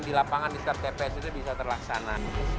di lapangan di setiap tps itu bisa terlaksana